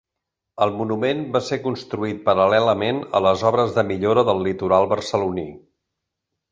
El monument va ser construït paral·lelament a les obres de millora del litoral barceloní.